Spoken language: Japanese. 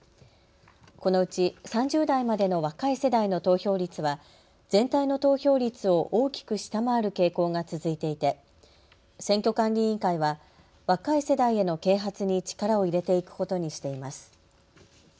このうち３０代までの若い世代の投票率は全体の投票率を大きく下回る傾向が続いていて選挙管理委員会は若い世代への啓発に力を入れていくことにしています。